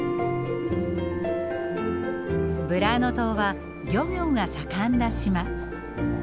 ブラーノ島は漁業が盛んな島。